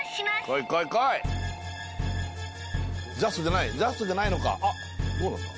来い来い来いジャストじゃないジャストじゃないのかどうなんだ？